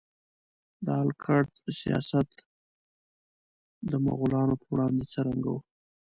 د آل کرت سیاست د مغولانو په وړاندې څرنګه و؟